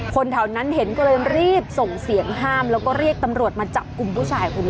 คนแถวนั้นเห็นก็เลยรีบส่งเสียงห้ามแล้วก็เรียกตำรวจมาจับกลุ่มผู้ชายคนนี้